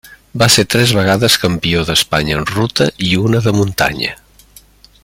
Va ser tres vegades campió d'Espanya en ruta i una de muntanya.